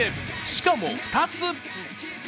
しかも、２つ！